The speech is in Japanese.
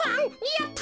やった！